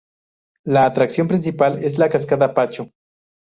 La atracción principal es la Cascada Pacho.